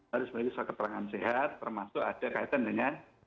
harus memiliki surat keterangan sehat termasuk ada kaitan dengan